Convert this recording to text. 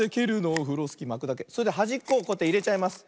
それではじっこをこうやっていれちゃいます。